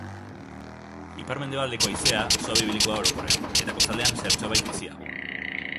Ipar-mendebaldeko haizea suabe ibiliko da orokorrean, eta kostaldean zertxobait biziago.